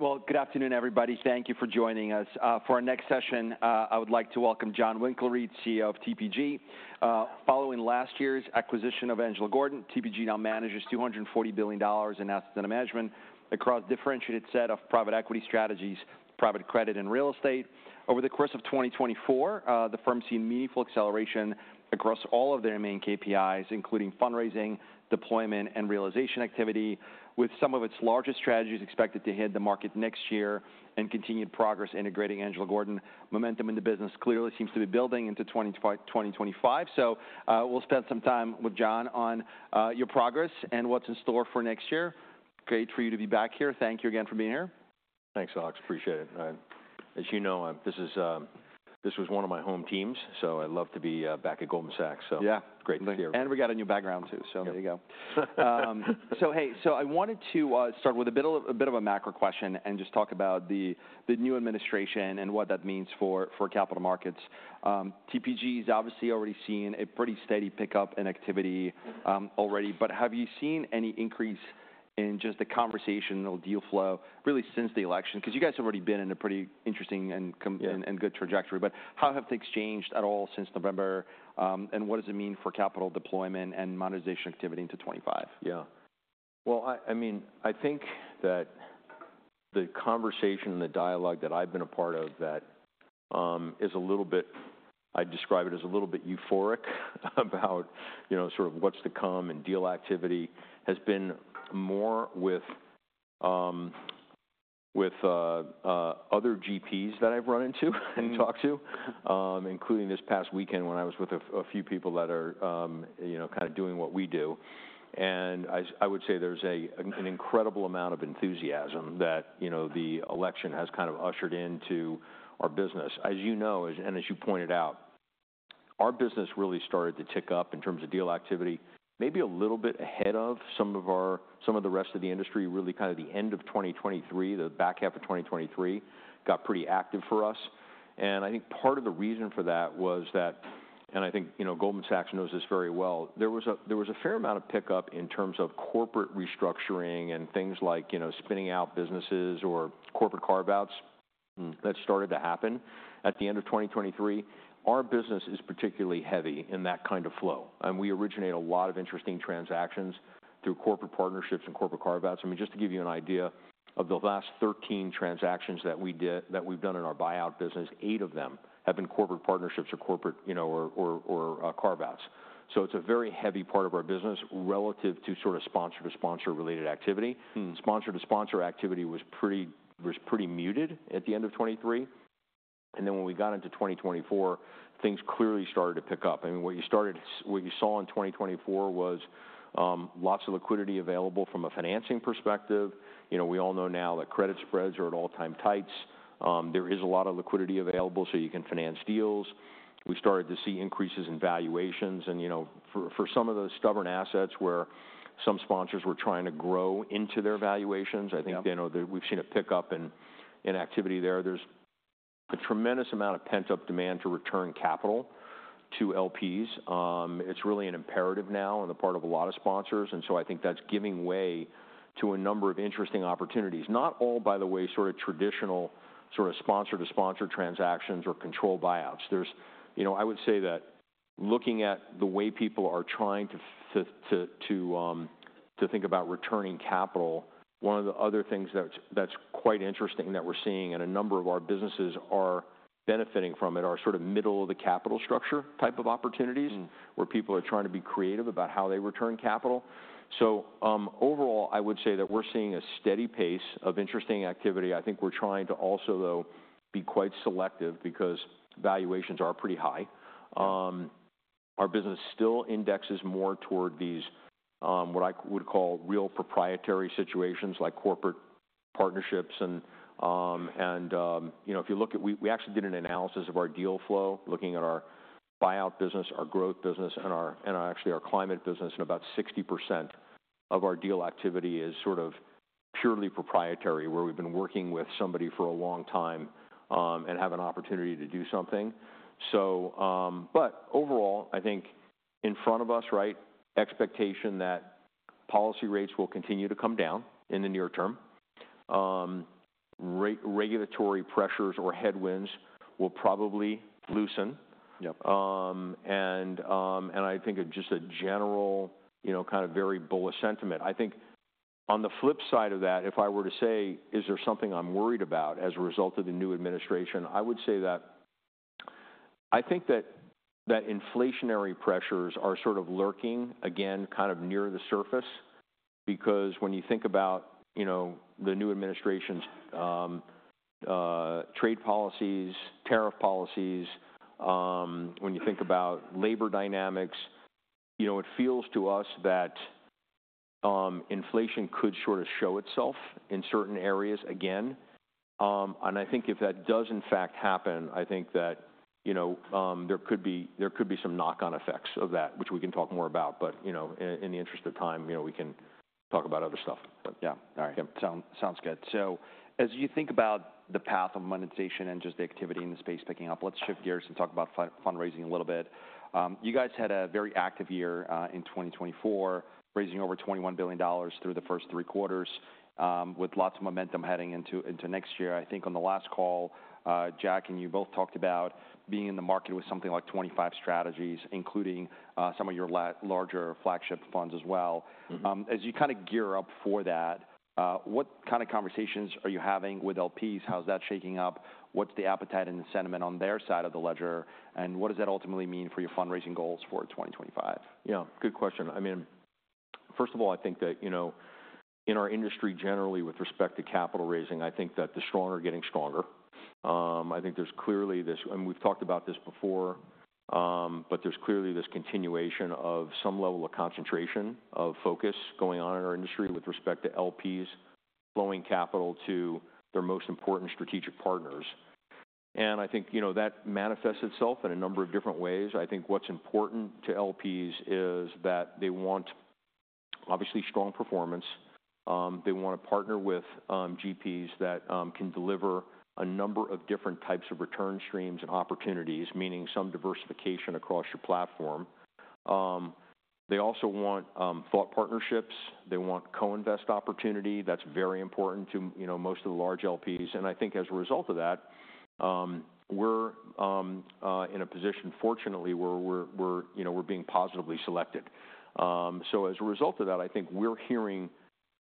Well, good afternoon, everybody. Thank you for joining us. For our next session, I would like to welcome Jon Winkelried, CEO of TPG. Following last year's acquisition of Angelo Gordon, TPG now manages $240 billion in assets under management across a differentiated set of private equity strategies, private credit, and real estate. Over the course of 2024, the firm has seen meaningful acceleration across all of their main KPIs, including fundraising, deployment, and realization activity, with some of its largest strategies expected to hit the market next year and continued progress integrating Angelo Gordon. Momentum in the business clearly seems to be building into 2025. So we'll spend some time with John on your progress and what's in store for next year. Great for you to be back here. Thank you again for being here. Thanks, Alex. Appreciate it. As you know, this was one of my home teams, so I love to be back at Goldman Sachs. So great to be here. We got a new background too, so there you go. Hey, so I wanted to start with a bit of a macro question and just talk about the new administration and what that means for capital markets. TPG has obviously already seen a pretty steady pickup in activity already, but have you seen any increase in just the conversational deal flow really since the election? Because you guys have already been in a pretty interesting and good trajectory, but how have things changed at all since November? What does it mean for capital deployment and monetization activity into 2025? Yeah. Well, I mean, I think that the conversation and the dialogue that I've been a part of that is a little bit, I'd describe it as a little bit euphoric about sort of what's to come and deal activity has been more with other GPs that I've run into and talked to, including this past weekend when I was with a few people that are kind of doing what we do. And I would say there's an incredible amount of enthusiasm that the election has kind of ushered into our business. As you know, and as you pointed out, our business really started to tick up in terms of deal activity, maybe a little bit ahead of some of the rest of the industry, really kind of the end of 2023, the back half of 2023 got pretty active for us. I think part of the reason for that was that, and I think Goldman Sachs knows this very well, there was a fair amount of pickup in terms of corporate restructuring and things like spinning out businesses or corporate carve-outs that started to happen at the end of 2023. Our business is particularly heavy in that kind of flow, and we originate a lot of interesting transactions through corporate partnerships and corporate carve-outs. I mean, just to give you an idea of the last 13 transactions that we've done in our buyout business, eight of them have been corporate partnerships or corporate carve-outs, so it's a very heavy part of our business relative to sort of sponsor-to-sponsor related activity. Sponsor-to-sponsor activity was pretty muted at the end of 2023, and then when we got into 2024, things clearly started to pick up. I mean, what you saw in 2024 was lots of liquidity available from a financing perspective. We all know now that credit spreads are at all-time tights. There is a lot of liquidity available so you can finance deals. We started to see increases in valuations. And for some of those stubborn assets where some sponsors were trying to grow into their valuations, I think we've seen a pickup in activity there. There's a tremendous amount of pent-up demand to return capital to LPs. It's really an imperative now on the part of a lot of sponsors. And so I think that's giving way to a number of interesting opportunities, not all, by the way, sort of traditional sort of sponsor-to-sponsor transactions or controlled buyouts. I would say that looking at the way people are trying to think about returning capital, one of the other things that's quite interesting that we're seeing and a number of our businesses are benefiting from it are sort of middle-of-the-capital structure type of opportunities where people are trying to be creative about how they return capital. So overall, I would say that we're seeing a steady pace of interesting activity. I think we're trying to also, though, be quite selective because valuations are pretty high. Our business still indexes more toward these what I would call real proprietary situations like corporate partnerships. And if you look at, we actually did an analysis of our deal flow looking at our buyout business, our growth business, and actually our climate business, and about 60% of our deal activity is sort of purely proprietary where we've been working with somebody for a long time and have an opportunity to do something. But overall, I think in front of us, right, expectation that policy rates will continue to come down in the near term. Regulatory pressures or headwinds will probably loosen. And I think just a general kind of very bullish sentiment. I think on the flip side of that, if I were to say, is there something I'm worried about as a result of the new administration? I would say that I think that inflationary pressures are sort of lurking, again, kind of near the surface because when you think about the new administration's trade policies, tariff policies, when you think about labor dynamics, it feels to us that inflation could sort of show itself in certain areas again. And I think if that does in fact happen, I think that there could be some knock-on effects of that, which we can talk more about. But in the interest of time, we can talk about other stuff. Yeah. All right. Sounds good. So as you think about the path of monetization and just the activity in the space picking up, let's shift gears and talk about fundraising a little bit. You guys had a very active year in 2024, raising over $21 billion through the first three quarters with lots of momentum heading into next year. I think on the last call, Jack and you both talked about being in the market with something like 25 strategies, including some of your larger flagship funds as well. As you kind of gear up for that, what kind of conversations are you having with LPs? How's that shaking up? What's the appetite and the sentiment on their side of the ledger? And what does that ultimately mean for your fundraising goals for 2025? Yeah. Good question. I mean, first of all, I think that in our industry generally with respect to capital raising, I think that the stronger getting stronger. I think there's clearly this, and we've talked about this before, but there's clearly this continuation of some level of concentration of focus going on in our industry with respect to LPs flowing capital to their most important strategic partners, and I think that manifests itself in a number of different ways. I think what's important to LPs is that they want obviously strong performance. They want to partner with GPs that can deliver a number of different types of return streams and opportunities, meaning some diversification across your platform. They also want thought partnerships. They want co-invest opportunity. That's very important to most of the large LPs. And I think as a result of that, we're in a position, fortunately, where we're being positively selected. So as a result of that, I think we're hearing,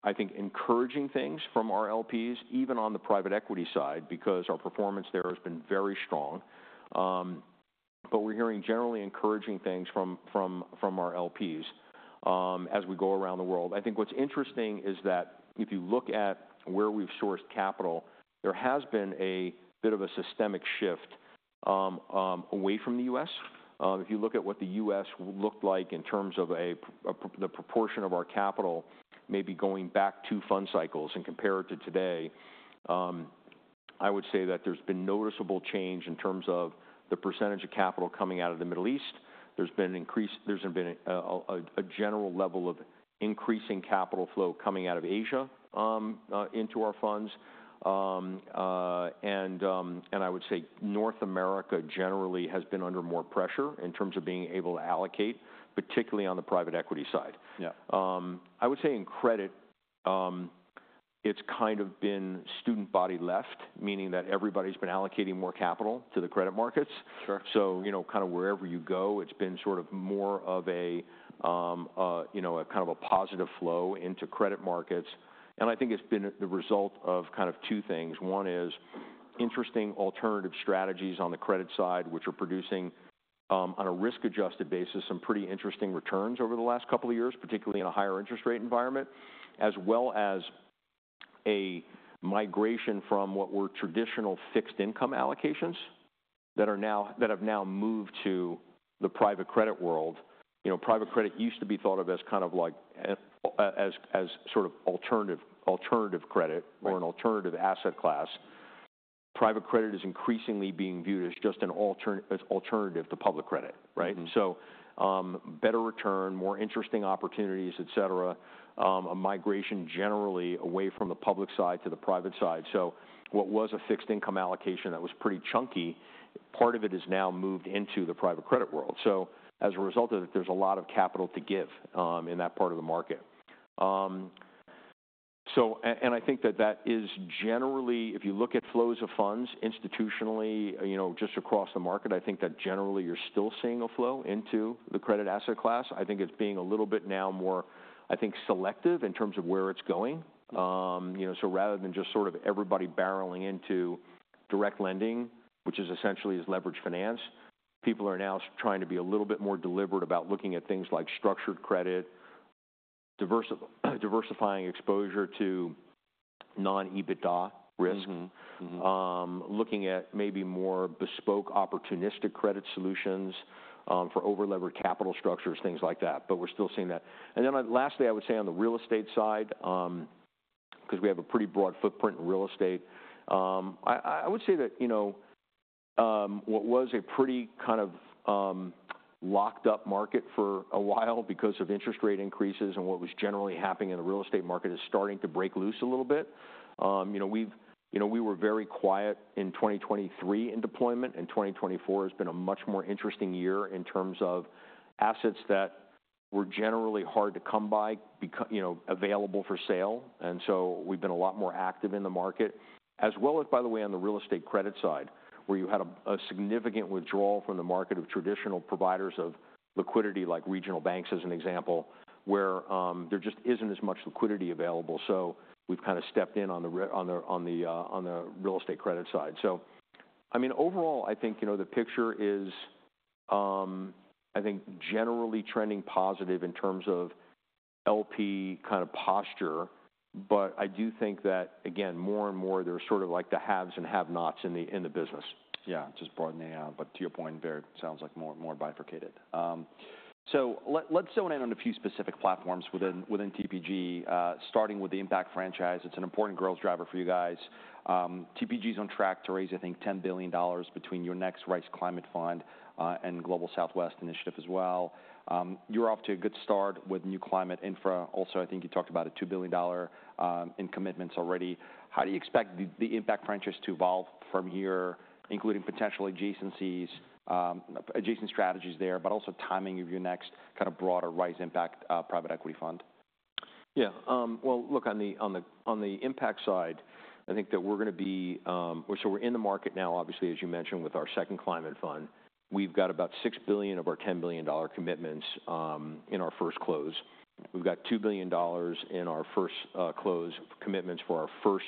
I think, encouraging things from our LPs, even on the private equity side because our performance there has been very strong. But we're hearing generally encouraging things from our LPs as we go around the world. I think what's interesting is that if you look at where we've sourced capital, there has been a bit of a systemic shift away from the U.S. If you look at what the U.S. looked like in terms of the proportion of our capital maybe going back to fund cycles and compare it to today, I would say that there's been noticeable change in terms of the percentage of capital coming out of the Middle East. There's been an increase. There's been a general level of increasing capital flow coming out of Asia into our funds, and I would say North America generally has been under more pressure in terms of being able to allocate, particularly on the private equity side. I would say in credit, it's kind of been student body left, meaning that everybody's been allocating more capital to the credit markets, so kind of wherever you go, it's been sort of more of a kind of a positive flow into credit markets, and I think it's been the result of kind of two things. One is interesting alternative strategies on the credit side, which are producing on a risk-adjusted basis some pretty interesting returns over the last couple of years, particularly in a higher interest rate environment, as well as a migration from what were traditional fixed income allocations that have now moved to the private credit world. Private credit used to be thought of as kind of like as sort of alternative credit or an alternative asset class. Private credit is increasingly being viewed as just an alternative to public credit, right? So better return, more interesting opportunities, et cetera, a migration generally away from the public side to the private side. So what was a fixed income allocation that was pretty chunky, part of it has now moved into the private credit world. So as a result of it, there's a lot of capital to give in that part of the market. I think that that is generally, if you look at flows of funds institutionally just across the market, I think that generally you're still seeing a flow into the credit asset class. I think it's being a little bit now more, I think, selective in terms of where it's going. Rather than just sort of everybody barreling into direct lending, which essentially is leveraged finance, people are now trying to be a little bit more deliberate about looking at things like structured credit, diversifying exposure to non-EBITDA risk, looking at maybe more bespoke opportunistic credit solutions for over-leveraged capital structures, things like that. We're still seeing that. And then, lastly, I would say on the real estate side, because we have a pretty broad footprint in real estate, I would say that what was a pretty kind of locked-up market for a while because of interest rate increases and what was generally happening in the real estate market is starting to break loose a little bit. We were very quiet in 2023 in deployment, and 2024 has been a much more interesting year in terms of assets that were generally hard to come by available for sale. And so we've been a lot more active in the market, as well as, by the way, on the real estate credit side, where you had a significant withdrawal from the market of traditional providers of liquidity like regional banks as an example, where there just isn't as much liquidity available. So we've kind of stepped in on the real estate credit side. So I mean, overall, I think the picture is, I think, generally trending positive in terms of LP kind of posture. But I do think that, again, more and more there's sort of like the haves and have-nots in the business. Yeah. Just broadening out. But to your point, very sounds like more bifurcated. So let's zone in on a few specific platforms within TPG, starting with the Impact Franchise. It's an important growth driver for you guys. TPG is on track to raise, I think, $10 billion between your next Rise Climate Fund and Global South Initiative as well. You're off to a good start with new climate infra. Also, I think you talked about a $2 billion in commitments already. How do you expect the Impact Franchise to evolve from here, including potential adjacencies, adjacent strategies there, but also timing of your next kind of broader Rise Impact Private Equity Fund? Yeah. Well, look, on the Impact side, I think that we're going to be, so we're in the market now, obviously, as you mentioned, with our second climate fund. We've got about $6 billion of our $10 billion commitments in our first close. We've got $2 billion in our first close commitments for our first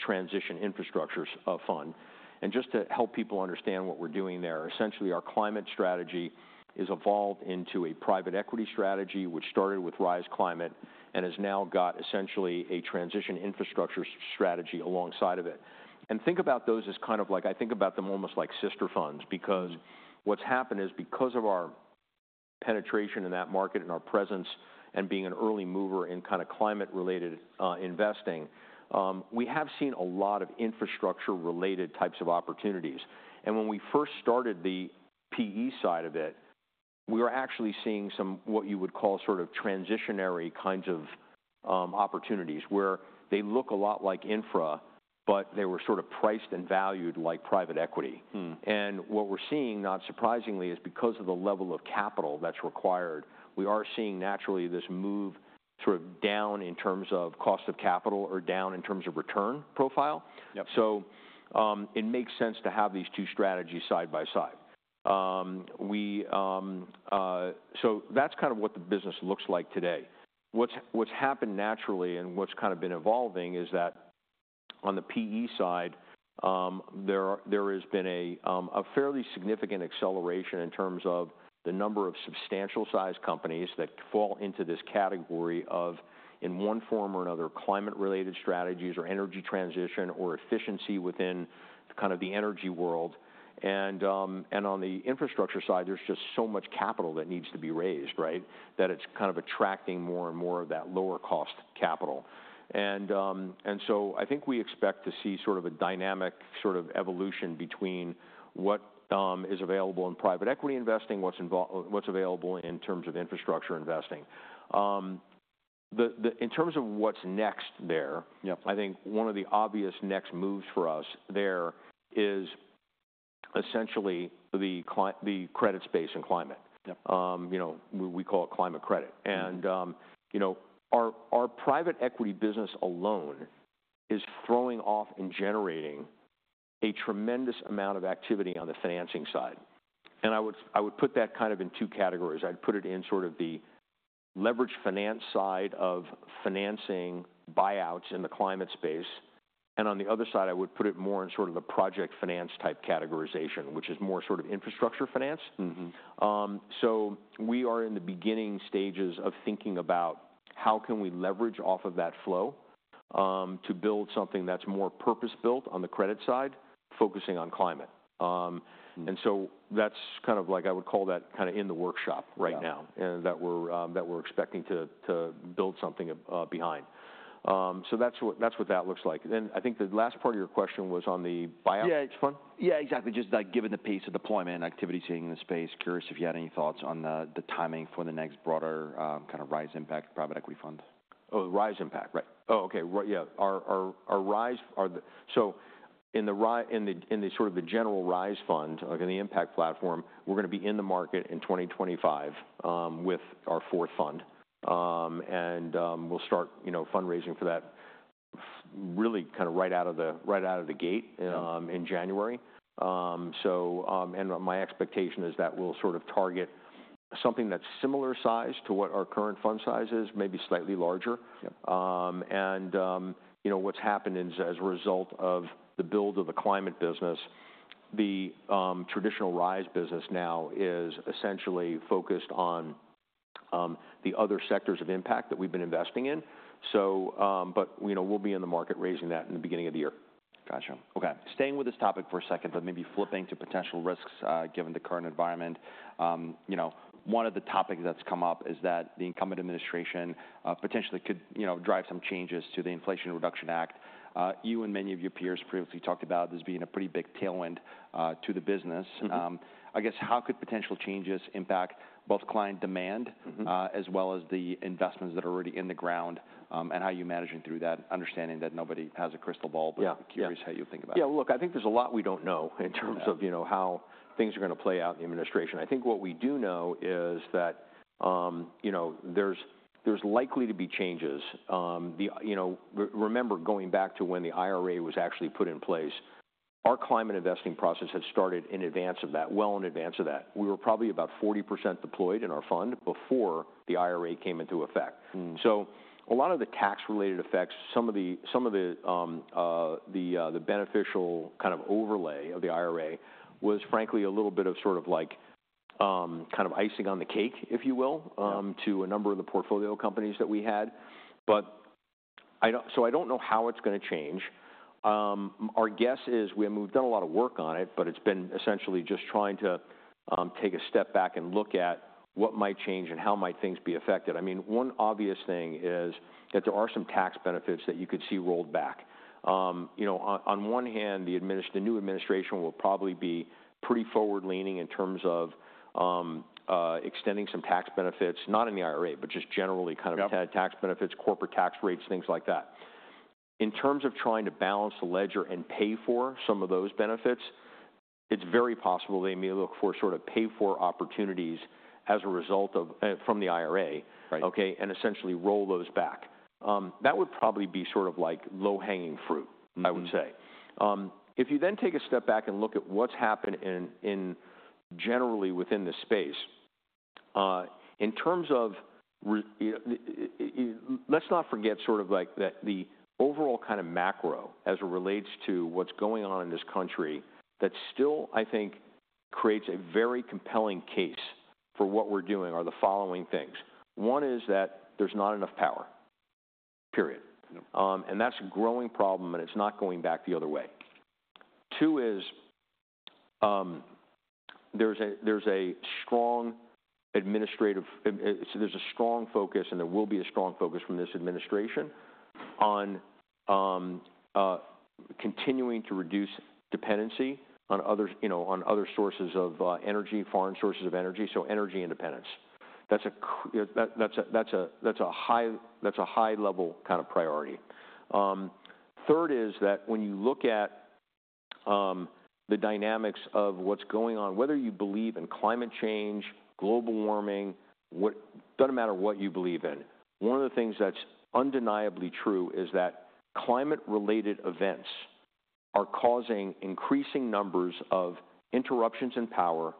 transition infrastructure fund. And just to help people understand what we're doing there, essentially our climate strategy has evolved into a private equity strategy, which started with Rise Climate and has now got essentially a transition infrastructure strategy alongside of it. And think about those as kind of like. I think about them almost like sister funds because what's happened is because of our penetration in that market and our presence and being an early mover in kind of climate-related investing, we have seen a lot of infrastructure-related types of opportunities. And when we first started the PE side of it, we were actually seeing some what you would call sort of transitionary kinds of opportunities where they look a lot like infra, but they were sort of priced and valued like private equity. And what we're seeing, not surprisingly, is because of the level of capital that's required, we are seeing naturally this move sort of down in terms of cost of capital or down in terms of return profile. So it makes sense to have these two strategies side by side. So that's kind of what the business looks like today. What's happened naturally and what's kind of been evolving is that on the PE side, there has been a fairly significant acceleration in terms of the number of substantial-sized companies that fall into this category of, in one form or another, climate-related strategies or energy transition or efficiency within kind of the energy world. And on the infrastructure side, there's just so much capital that needs to be raised, right, that it's kind of attracting more and more of that lower-cost capital. And so I think we expect to see sort of a dynamic sort of evolution between what is available in private equity investing, what's available in terms of infrastructure investing. In terms of what's next there, I think one of the obvious next moves for us there is essentially the credit space and climate. We call it climate credit. Our private equity business alone is throwing off and generating a tremendous amount of activity on the financing side. I would put that kind of in two categories. I'd put it in sort of the leveraged finance side of financing buyouts in the climate space. On the other side, I would put it more in sort of the project finance type categorization, which is more sort of infrastructure finance. We are in the beginning stages of thinking about how can we leverage off of that flow to build something that's more purpose-built on the credit side, focusing on climate. That's kind of like I would call that kind of in the workshop right now that we're expecting to build something behind. That's what that looks like. I think the last part of your question was on the buyout fund? Yeah, exactly. Just given the pace of deployment and activity seeing in the space, curious if you had any thoughts on the timing for the next broader kind of Rise Impact Private Equity Fund? Oh, Rise Impact, right. Oh, okay. Yeah. So in sort of the general Rise Fund, like in the Impact platform, we're going to be in the market in 2025 with our fourth fund. And we'll start fundraising for that really kind of right out of the gate in January. And my expectation is that we'll sort of target something that's similar size to what our current fund size is, maybe slightly larger. And what's happened as a result of the build of the climate business, the traditional Rise business now is essentially focused on the other sectors of impact that we've been investing in. But we'll be in the market raising that in the beginning of the year. Gotcha. Okay. Staying with this topic for a second, but maybe flipping to potential risks given the current environment. One of the topics that's come up is that the incumbent administration potentially could drive some changes to the Inflation Reduction Act. You and many of your peers previously talked about this being a pretty big tailwind to the business. I guess how could potential changes impact both client demand as well as the investments that are already in the ground and how you're managing through that, understanding that nobody has a crystal ball, but curious how you think about it? Yeah. Look, I think there's a lot we don't know in terms of how things are going to play out in the administration. I think what we do know is that there's likely to be changes. Remember going back to when the IRA was actually put in place, our climate investing process had started in advance of that, well in advance of that. We were probably about 40% deployed in our fund before the IRA came into effect. So a lot of the tax-related effects, some of the beneficial kind of overlay of the IRA was frankly a little bit of sort of like kind of icing on the cake, if you will, to a number of the portfolio companies that we had. So I don't know how it's going to change. I guess we've done a lot of work on it, but it's been essentially just trying to take a step back and look at what might change and how might things be affected. I mean, one obvious thing is that there are some tax benefits that you could see rolled back. On one hand, the new administration will probably be pretty forward-leaning in terms of extending some tax benefits, not in the IRA, but just generally kind of tax benefits, corporate tax rates, things like that. In terms of trying to balance the ledger and pay for some of those benefits, it's very possible they may look for sort of pay-for opportunities as a result of the IRA, okay, and essentially roll those back. That would probably be sort of like low-hanging fruit, I would say. If you then take a step back and look at what's happened generally within this space, in terms of let's not forget sort of like the overall kind of macro as it relates to what's going on in this country that still, I think, creates a very compelling case for what we're doing are the following things. One is that there's not enough power, period. And that's a growing problem, and it's not going back the other way. Two is there's a strong focus, and there will be a strong focus from this administration on continuing to reduce dependency on other sources of energy, foreign sources of energy, so energy independence. That's a high-level kind of priority. Third is that when you look at the dynamics of what's going on, whether you believe in climate change, global warming, doesn't matter what you believe in, one of the things that's undeniably true is that climate-related events are causing increasing numbers of interruptions in power,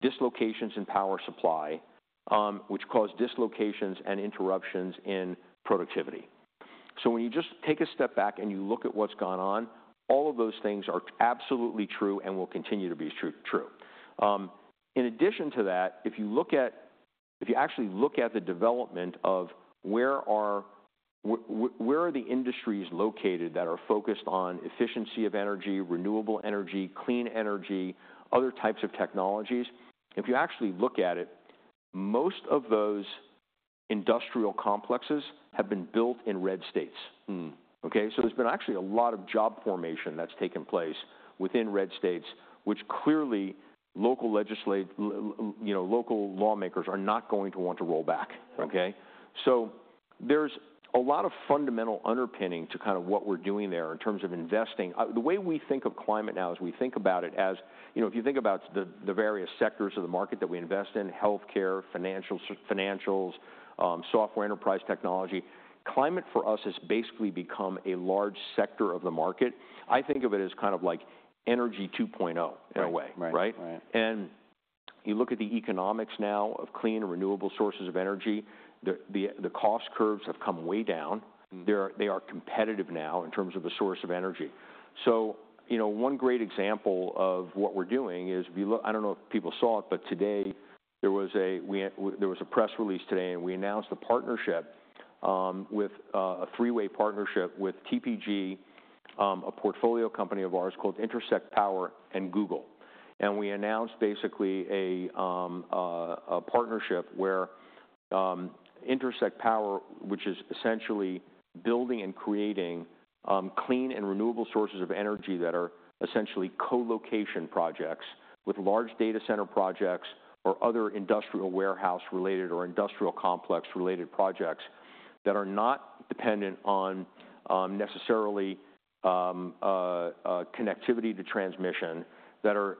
dislocations in power supply, which cause dislocations and interruptions in productivity. So when you just take a step back and you look at what's gone on, all of those things are absolutely true and will continue to be true. In addition to that, if you actually look at the development of where are the industries located that are focused on efficiency of energy, renewable energy, clean energy, other types of technologies, if you actually look at it, most of those industrial complexes have been built in red states. Okay? So there's been actually a lot of job formation that's taken place within red states, which clearly local lawmakers are not going to want to roll back. Okay? So there's a lot of fundamental underpinning to kind of what we're doing there in terms of investing. The way we think of climate now is we think about it as if you think about the various sectors of the market that we invest in, healthcare, financials, software, enterprise technology. Climate for us has basically become a large sector of the market. I think of it as kind of like energy 2.0 in a way, right? And you look at the economics now of clean and renewable sources of energy. The cost curves have come way down. They are competitive now in terms of the source of energy. So one great example of what we're doing is I don't know if people saw it, but today there was a press release today, and we announced a partnership with a three-way partnership with TPG, a portfolio company of ours called Intersect Power and Google. And we announced basically a partnership where Intersect Power, which is essentially building and creating clean and renewable sources of energy that are essentially co-location projects with large data center projects or other industrial warehouse-related or industrial complex-related projects that are not dependent on necessarily connectivity to transmission, that are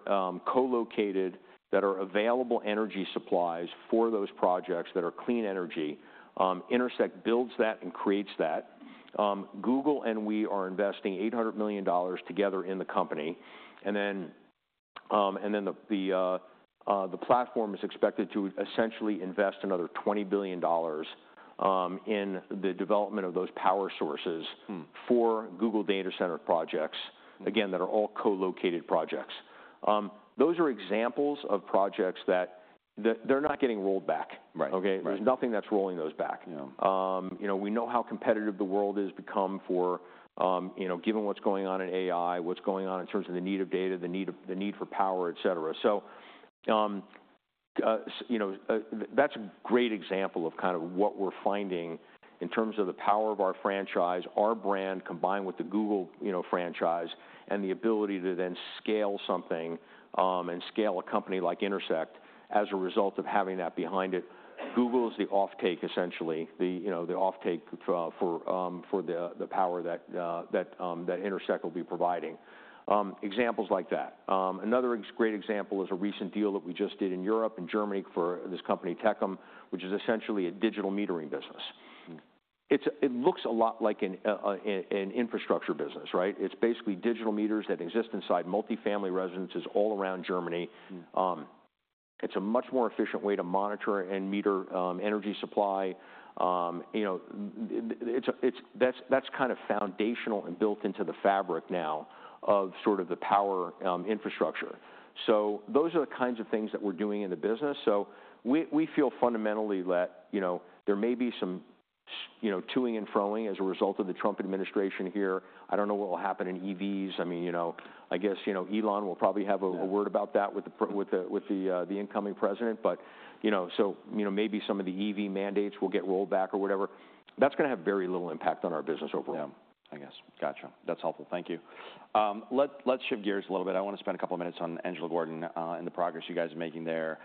co-located, that are available energy supplies for those projects that are clean energy. Intersect builds that and creates that. Google and we are investing $800 million together in the company. And then the platform is expected to essentially invest another $20 billion in the development of those power sources for Google data center projects, again, that are all co-located projects. Those are examples of projects that they're not getting rolled back. Okay? There's nothing that's rolling those back. We know how competitive the world has become for given what's going on in AI, what's going on in terms of the need of data, the need for power, etc. So that's a great example of kind of what we're finding in terms of the power of our franchise, our brand combined with the Google franchise, and the ability to then scale something and scale a company like Intersect as a result of having that behind it. Google is the offtake, essentially, the offtake for the power that Intersect will be providing. Examples like that. Another great example is a recent deal that we just did in Europe and Germany for this company, Techem, which is essentially a digital metering business. It looks a lot like an infrastructure business, right? It's basically digital meters that exist inside multifamily residences all around Germany. It's a much more efficient way to monitor and meter energy supply. That's kind of foundational and built into the fabric now of sort of the power infrastructure. So those are the kinds of things that we're doing in the business. So we feel fundamentally that there may be some tooing and froing as a result of the Trump administration here. I don't know what will happen in EVs. I mean, I guess Elon will probably have a word about that with the incoming president. But so maybe some of the EV mandates will get rolled back or whatever. That's going to have very little impact on our business overall. Yeah, I guess. Gotcha. That's helpful. Thank you. Let's shift gears a little bit. I want to spend a couple of minutes on Angelo Gordon and the progress you guys are making there.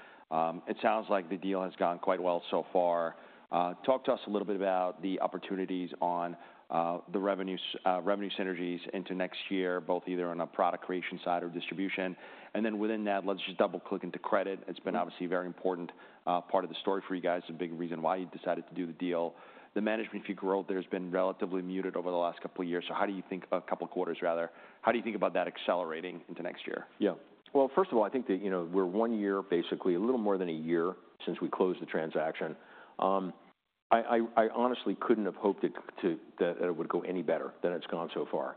It sounds like the deal has gone quite well so far. Talk to us a little bit about the opportunities on the revenue synergies into next year, both either on a product creation side or distribution. And then within that, let's just double-click into credit. It's been obviously a very important part of the story for you guys, a big reason why you decided to do the deal. The management fee growth there has been relatively muted over the last couple of years. So how do you think a couple of quarters, rather, how do you think about that accelerating into next year? Yeah. Well, first of all, I think we're one year, basically a little more than a year since we closed the transaction. I honestly couldn't have hoped that it would go any better than it's gone so far.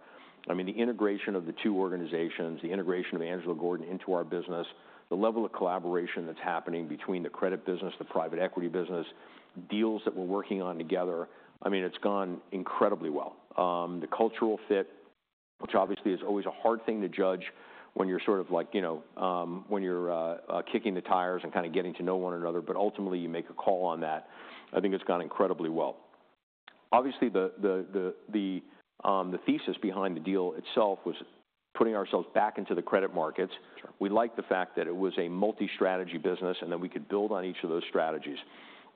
I mean, the integration of the two organizations, the integration of Angelo Gordon into our business, the level of collaboration that's happening between the credit business, the private equity business, deals that we're working on together, I mean, it's gone incredibly well. The cultural fit, which obviously is always a hard thing to judge when you're sort of like kicking the tires and kind of getting to know one another, but ultimately you make a call on that, I think it's gone incredibly well. Obviously, the thesis behind the deal itself was putting ourselves back into the credit markets. We liked the fact that it was a multi-strategy business and that we could build on each of those strategies.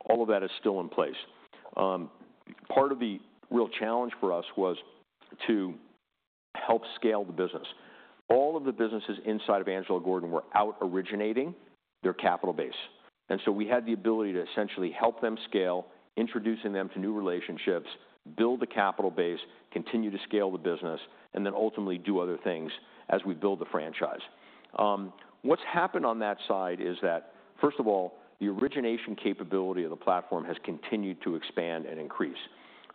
All of that is still in place. Part of the real challenge for us was to help scale the business. All of the businesses inside of Angelo Gordon were out originating their capital base. And so we had the ability to essentially help them scale, introducing them to new relationships, build the capital base, continue to scale the business, and then ultimately do other things as we build the franchise. What's happened on that side is that, first of all, the origination capability of the platform has continued to expand and increase.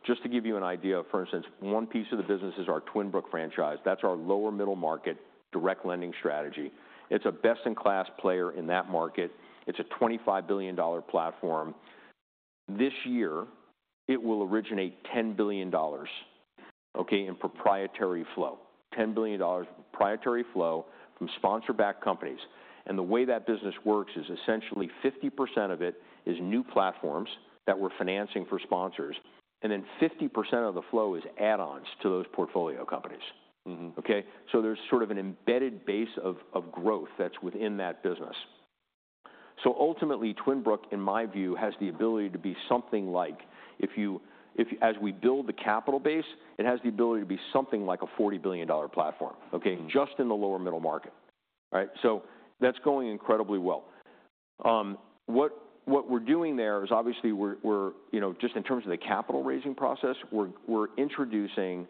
Just to give you an idea, for instance, one piece of the business is our Twin Brook franchise. That's our lower-middle market direct lending strategy. It's a best-in-class player in that market. It's a $25 billion platform. This year, it will originate $10 billion, okay, in proprietary flow, $10 billion proprietary flow from sponsor-backed companies. And the way that business works is essentially 50% of it is new platforms that we're financing for sponsors. And then 50% of the flow is add-ons to those portfolio companies. Okay? So there's sort of an embedded base of growth that's within that business. So ultimately, Twin Brook, in my view, has the ability to be something like as we build the capital base, it has the ability to be something like a $40 billion platform, okay, just in the lower-middle market. All right? So that's going incredibly well. What we're doing there is obviously we're just in terms of the capital raising process, we're introducing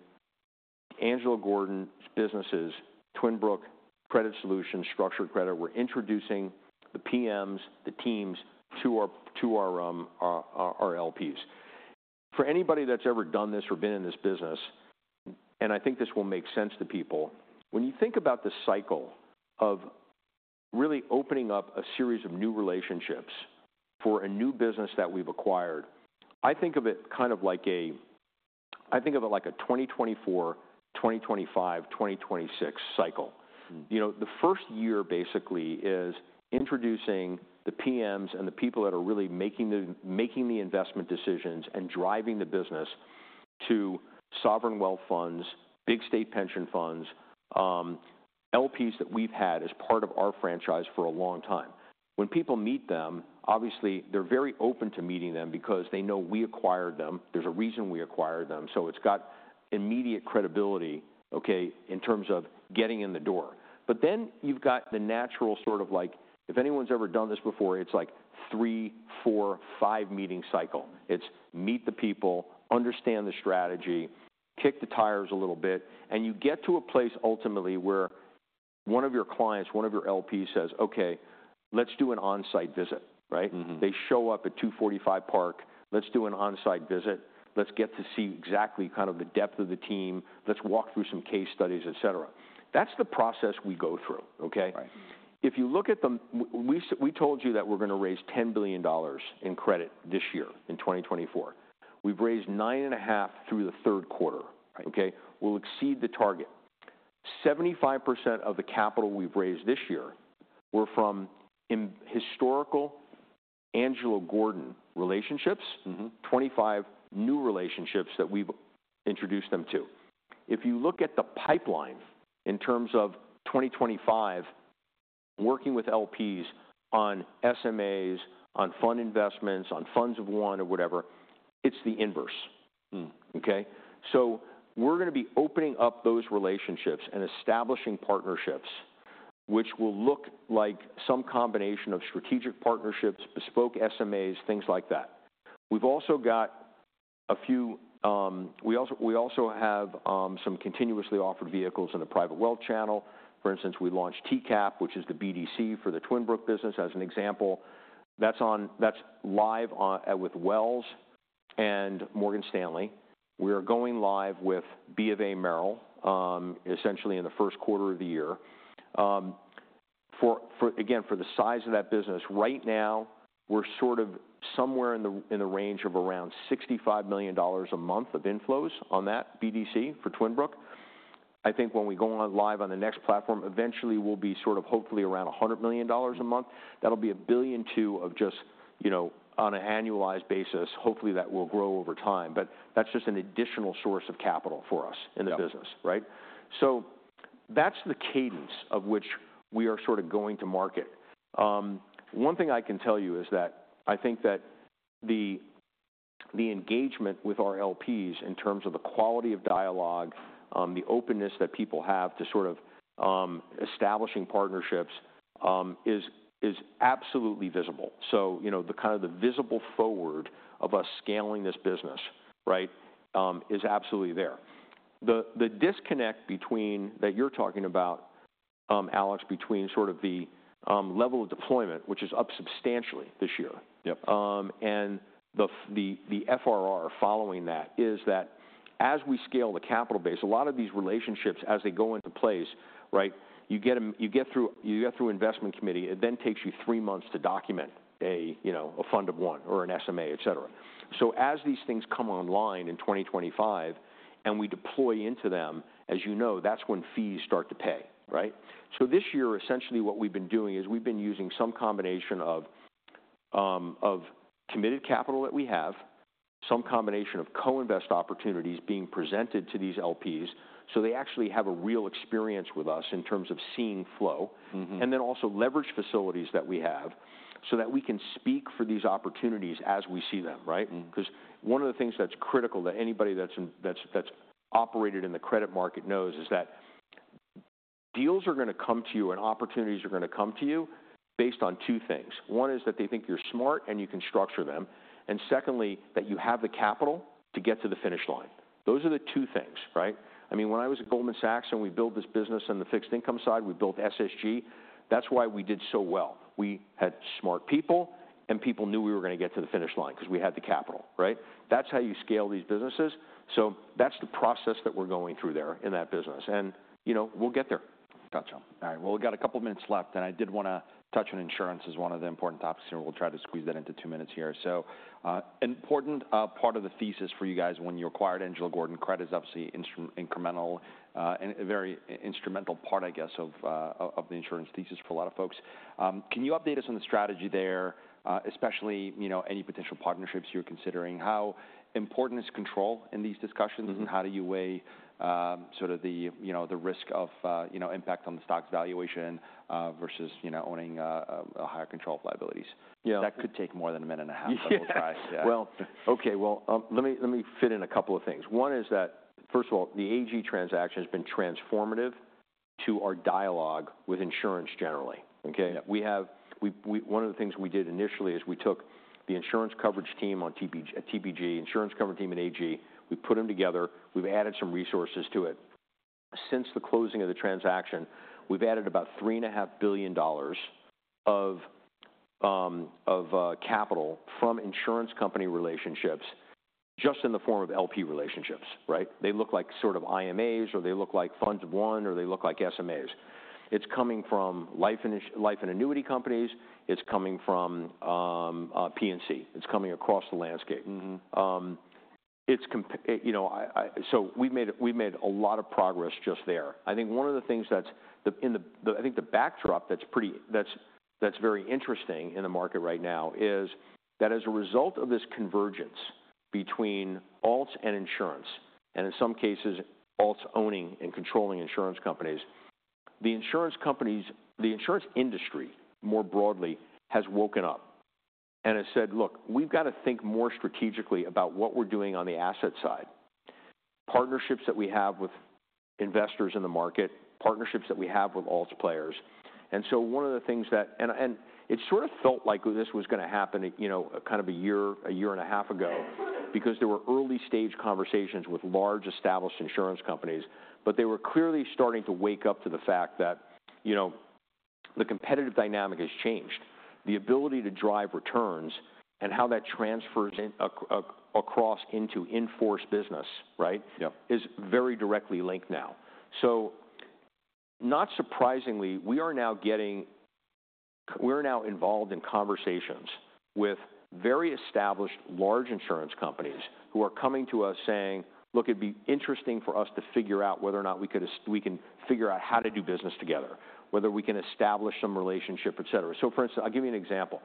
Angelo Gordon's businesses, Twin Brook, Credit Solutions, Structured Credit. We're introducing the PMs, the teams to our LPs. For anybody that's ever done this or been in this business, and I think this will make sense to people, when you think about the cycle of really opening up a series of new relationships for a new business that we've acquired, I think of it kind of like a 2024, 2025, 2026 cycle. The first year basically is introducing the PMs and the people that are really making the investment decisions and driving the business to sovereign wealth funds, big state pension funds, LPs that we've had as part of our franchise for a long time. When people meet them, obviously, they're very open to meeting them because they know we acquired them. There's a reason we acquired them. So it's got immediate credibility, okay, in terms of getting in the door. But then you've got the natural sort of like if anyone's ever done this before, it's like three, four, five meeting cycle. It's meet the people, understand the strategy, kick the tires a little bit. And you get to a place ultimately where one of your clients, one of your LPs says, "Okay, let's do an on-site visit," right? They show up at 245 Park. Let's do an on-site visit. Let's get to see exactly kind of the depth of the team. Let's walk through some case studies, etc. That's the process we go through, okay? If you look at them, we told you that we're going to raise $10 billion in credit this year in 2024. We've raised $9.5 billion through the third quarter, okay? We'll exceed the target. 75% of the capital we've raised this year were from historical Angelo Gordon relationships, 25 new relationships that we've introduced them to. If you look at the pipeline in terms of 2025, working with LPs on SMAs, on fund investments, on funds of one or whatever, it's the inverse, okay? So we're going to be opening up those relationships and establishing partnerships, which will look like some combination of strategic partnerships, bespoke SMAs, things like that. We also have some continuously offered vehicles in the private wealth channel. For instance, we launched TCAP, which is the BDC for the Twin Brook business, as an example. That's live with Wells and Morgan Stanley. We are going live with B of A Merrill essentially in the first quarter of the year. Again, for the size of that business, right now, we're sort of somewhere in the range of around $65 million a month of inflows on that BDC for Twin Brook. I think when we go live on the next platform, eventually we'll be sort of hopefully around $100 million a month. That'll be a billion two of just on an annualized basis. Hopefully, that will grow over time. But that's just an additional source of capital for us in the business, right? So that's the cadence of which we are sort of going to market. One thing I can tell you is that I think that the engagement with our LPs in terms of the quality of dialogue, the openness that people have to sort of establishing partnerships is absolutely visible. So kind of the visible forward of us scaling this business, right, is absolutely there. The disconnect that you're talking about, Alex, between sort of the level of deployment, which is up substantially this year, and the FRE following that is that as we scale the capital base, a lot of these relationships as they go into place, right, you get through investment committee. It then takes you three months to document a fund of one or an SMA, etc. So as these things come online in 2025 and we deploy into them, as you know, that's when fees start to pay, right? So this year, essentially what we've been doing is we've been using some combination of committed capital that we have, some combination of co-invest opportunities being presented to these LPs so they actually have a real experience with us in terms of seeing flow, and then also leverage facilities that we have so that we can speak for these opportunities as we see them, right? Because one of the things that's critical that anybody that's operated in the credit market knows is that deals are going to come to you and opportunities are going to come to you based on two things. One is that they think you're smart and you can structure them. And secondly, that you have the capital to get to the finish line. Those are the two things, right? I mean, when I was at Goldman Sachs and we built this business on the fixed income side, we built SSG. That's why we did so well. We had smart people and people knew we were going to get to the finish line because we had the capital, right? That's how you scale these businesses. So that's the process that we're going through there in that business, and we'll get there. Gotcha. All right. Well, we've got a couple of minutes left. And I did want to touch on insurance as one of the important topics. And we'll try to squeeze that into two minutes here. So important part of the thesis for you guys when you acquired Angelo Gordon, credit is obviously incremental and a very instrumental part, I guess, of the insurance thesis for a lot of folks. Can you update us on the strategy there, especially any potential partnerships you're considering? How important is control in these discussions? And how do you weigh sort of the risk of impact on the stock's valuation versus owning a higher control of liabilities? That could take more than a minute and a half, but we'll try. Let me fit in a couple of things. One is that, first of all, the AG transaction has been transformative to our dialogue with insurance generally, okay? One of the things we did initially is we took the insurance coverage team on TPG, insurance coverage team in AG. We put them together. We've added some resources to it. Since the closing of the transaction, we've added about $3.5 billion of capital from insurance company relationships just in the form of LP relationships, right? They look like sort of IMAs or they look like funds of one or they look like SMAs. It's coming from life and annuity companies. It's coming from P&C. It's coming across the landscape. We've made a lot of progress just there. I think one of the things that's in the backdrop that's very interesting in the market right now is that as a result of this convergence between alts and insurance, and in some cases, alts owning and controlling insurance companies, the insurance industry more broadly has woken up and has said, "Look, we've got to think more strategically about what we're doing on the asset side, partnerships that we have with investors in the market, partnerships that we have with alts players." And so one of the things and it sort of felt like this was going to happen kind of a year and a half ago because there were early-stage conversations with large established insurance companies. But they were clearly starting to wake up to the fact that the competitive dynamic has changed. The ability to drive returns and how that transfers across into in-force business, right, is very directly linked now. So not surprisingly, we are now involved in conversations with very established large insurance companies who are coming to us saying, "Look, it'd be interesting for us to figure out whether or not we can figure out how to do business together, whether we can establish some relationship, etc." So for instance, I'll give you an example.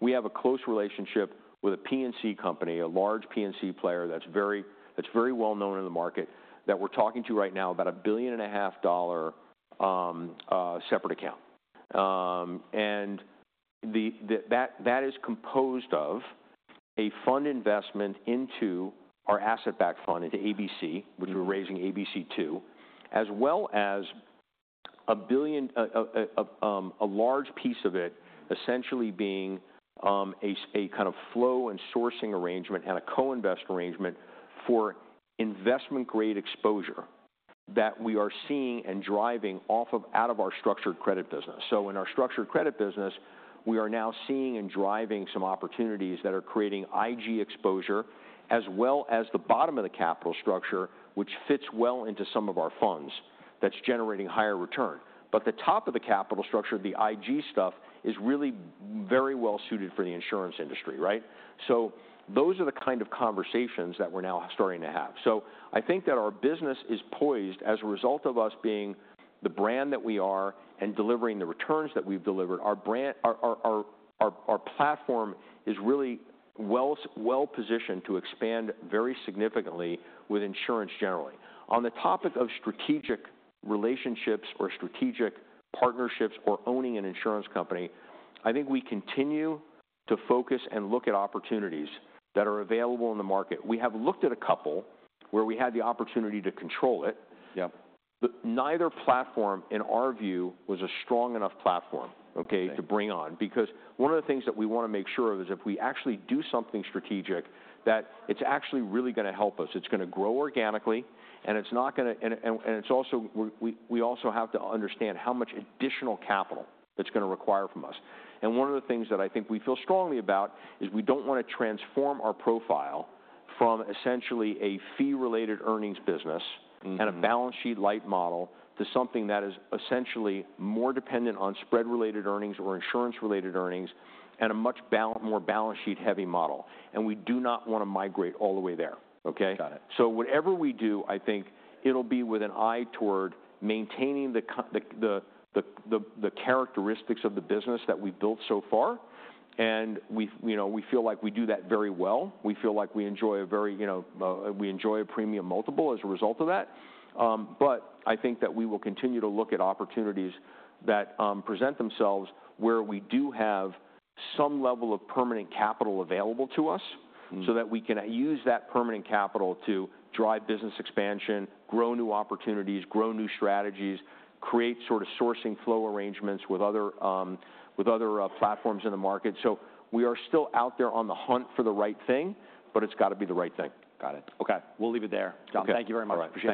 We have a close relationship with a P&C company, a large P&C player that's very well known in the market that we're talking to right now about a $1.5 billion separate account. And that is composed of a fund investment into our asset-backed fund, into ABC, which we're raising ABC II, as well as a large piece of it essentially being a kind of flow and sourcing arrangement and a co-invest arrangement for investment-grade exposure that we are seeing and driving off of out of our structured credit business. So in our structured credit business, we are now seeing and driving some opportunities that are creating IG exposure as well as the bottom of the capital structure, which fits well into some of our funds that's generating higher return. But the top of the capital structure, the IG stuff, is really very well suited for the insurance industry, right? So those are the kind of conversations that we're now starting to have. So I think that our business is poised as a result of us being the brand that we are and delivering the returns that we've delivered. Our platform is really well positioned to expand very significantly with insurance generally. On the topic of strategic relationships or strategic partnerships or owning an insurance company, I think we continue to focus and look at opportunities that are available in the market. We have looked at a couple where we had the opportunity to control it. Neither platform, in our view, was a strong enough platform, okay, to bring on. Because one of the things that we want to make sure of is if we actually do something strategic, that it's actually really going to help us. It's going to grow organically. And it's not going to, and we also have to understand how much additional capital it's going to require from us. And one of the things that I think we feel strongly about is we don't want to transform our profile from essentially a fee-related earnings business and a balance sheet light model to something that is essentially more dependent on spread-related earnings or insurance-related earnings and a much more balance sheet-heavy model. And we do not want to migrate all the way there, okay? So whatever we do, I think it'll be with an eye toward maintaining the characteristics of the business that we've built so far. And we feel like we do that very well. We feel like we enjoy a very premium multiple as a result of that. But I think that we will continue to look at opportunities that present themselves where we do have some level of permanent capital available to us so that we can use that permanent capital to drive business expansion, grow new opportunities, grow new strategies, create sort of sourcing flow arrangements with other platforms in the market. So we are still out there on the hunt for the right thing, but it's got to be the right thing. Got it. Okay. We'll leave it there. Thank you very much.